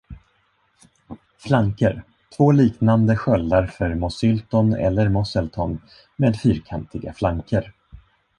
Flanker, två liknande sköldar för Mosylton eller Moselton med fyrkantiga flanker.